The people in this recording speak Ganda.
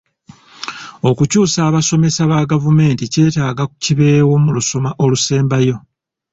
Okukyusa abasomesa ba gavumenti kyetaaga kibeewo mu lusoma olusembayo.